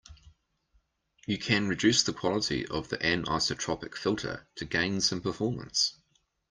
You can reduce the quality of the anisotropic filter to gain some performance.